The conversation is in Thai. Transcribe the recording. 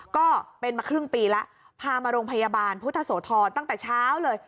ก็เป็นมาครึ่งปีแล้วพามาโรงพยาบาลพุทธโสธรตั้งแต่เช้าเลย